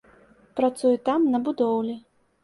Працуе там на будоўлі.